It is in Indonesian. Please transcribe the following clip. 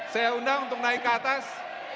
saya undang untuk naik ke atas